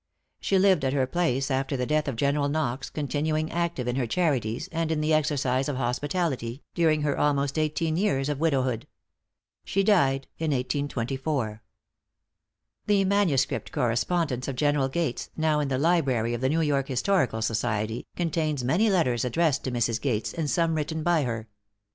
She lived at her place after the death of General Knox, continuing active in her charities, and in the exercise of hospitality, during her almost eighteen years of widowhood. She died in 1824. The manuscript correspondence of General Gates, now in the library of the New York Historical Society, contains many letters addressed to Mrs. Gates, and some written by her.